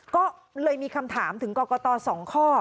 ก็เลยมีคำถามถึงกรกต๒ข้อ